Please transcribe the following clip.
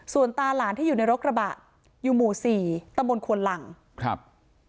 ส่วนตาหลานที่อยู่ในรถกระบะอยู่หมู่สี่ตำบลควนหลังครับ